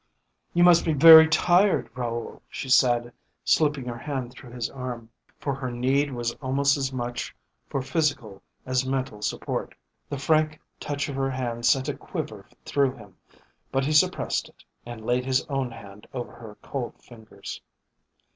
"You must be very tired, Raoul," she said, slipping her hand through his arm, for her need was almost as much for physical as mental support. The frank touch of her hand sent a quiver through him, but he suppressed it, and laid his own hand over her cold fingers.